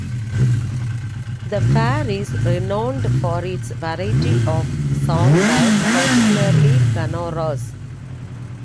The fair is renowned for its variety of songbirds, particularly "canoras".